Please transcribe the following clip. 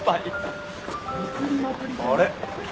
あれ？